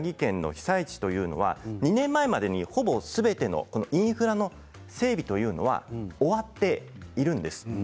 岩手県や宮城県の被災地というのは２年前までに、ほぼすべてのインフラの整備というのは終わっているんです。